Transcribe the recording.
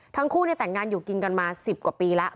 ทั้งคู่แต่งงานอยู่กินกันมา๑๐กว่าปีแล้ว